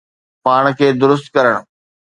پاڻ کي درست ڪرڻ